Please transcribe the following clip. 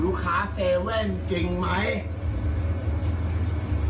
ลูกค้าเซเว่นจริงไหม